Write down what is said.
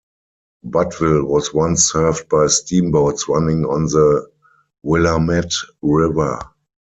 Butteville was once served by steamboats running on the Willamette River.